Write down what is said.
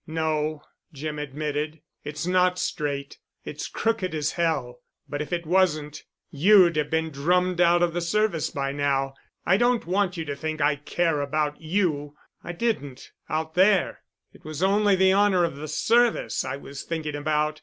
"No," Jim admitted. "It's not straight. It's crooked as hell, but if it wasn't, you'd have been drummed out of the Service by now. I don't want you to think I care about you. I didn't—out there. It was only the honor of the service I was thinking about.